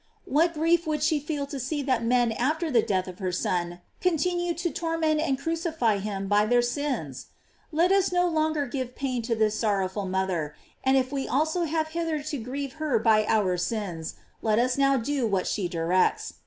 What grief would she feel to see that men after the death of her Son, continue to torment and crucify him by their sins? Let us no longer give pain to this sorrowful mother; and if we also have hither to grieved her by our sins, let us now do what she directs.